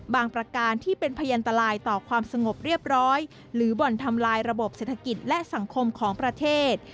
ประการที่เป็นพยันตรายต่อความสงบเรียบร้อยหรือบ่อนทำลายระบบเศรษฐกิจและสังคมของประเทศ